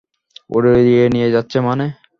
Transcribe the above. উড়িয়ে নিয়ে যাচ্ছে মানে?